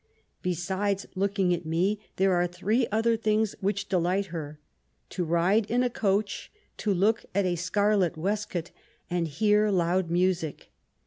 Besides looking at me, there are three other things which delight her : to ride in a coach, to look at a scarlet waistcoat, and hear loud music.